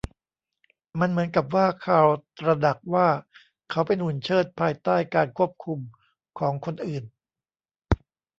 มันเหมือนกับว่าคาร์ลตระหนักว่าเขาเป็นหุ่นเชิดภายใต้การควบคุมของคนอื่น